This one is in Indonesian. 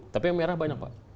tapi yang merah banyak pak